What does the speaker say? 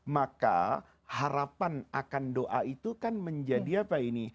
maka harapan akan doa itu kan menjadi apa ini